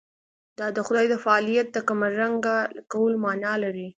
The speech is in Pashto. دا د خدای د فاعلیت د کمرنګه کولو معنا لري.